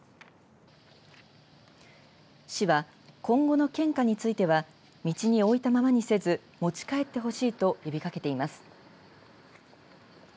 市は、今後の献花については道に置いたままにせず持ち帰ってほしいと呼びかけています。